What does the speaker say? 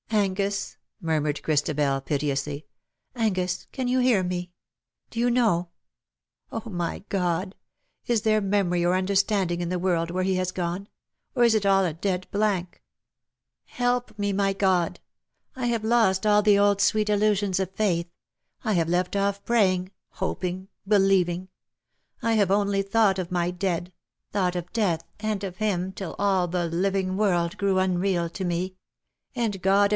" Angus !" murmured Christabel, piteously, " Angus, can you hear me ?— do you know ? Oh, my God ! is there memory or understanding in the world where he has gone, or is it all a dead blank ? Help me, my God ! I have lost all the old sweet illusions of faith — I have left off praying, hoping, believing — I have only thought of my dead — thought of death and of him till all the living world grew 272 '' SHE STOOD UP IN BITTER CASE, unreal to me — ai>d God and